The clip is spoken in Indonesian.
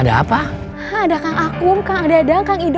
sampai jumpa lagi